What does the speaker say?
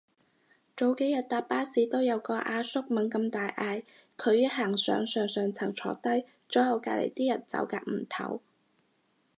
早幾日搭巴士都有個阿叔猛咁大聲嗌，佢一行上上層坐低，左右隔離啲人走夾唔唞